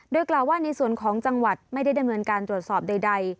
โดยกล่าวว่าในส่วนของจังหวัดไม่ได้ดำเนินการตรวจสอบใด